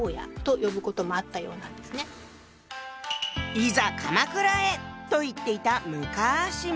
「いざ鎌倉へ！」と言っていたむかしむかし。